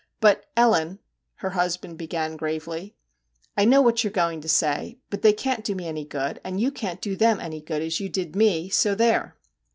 ' But, Ellen ' her husband began gravely. ' I know what you 're going to say, but they can't do me any good, and you can't do them any good as you did me, so there